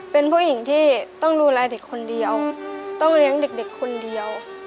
เป็นผู้หญิงที่ต้องดูแลเด็กคนเดียวต้องเลี้ยงเด็กคนเดียว